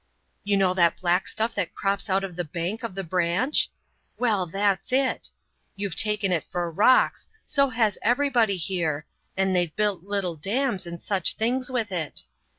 You know that black stuff that crops out of the bank of the branch? well, that's it. You've taken it for rocks; so has every body here; and they've built little dams and such things with it.